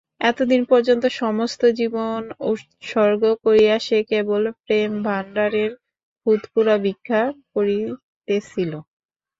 এতদিন পর্যন্ত সমস্ত জীবন উৎসর্গ করিয়া সে কেবল প্রেমভাণ্ডারের খুদকুঁড়া ভিক্ষা করিতেছিল।